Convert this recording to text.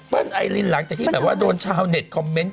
ไอลินหลังจากที่แบบว่าโดนชาวเน็ตคอมเมนต์